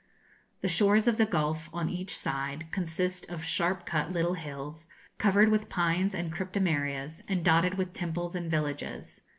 The shores of the gulf, on each side, consist of sharp cut little hills, covered with pines and cryptomerias, and dotted with temples and villages.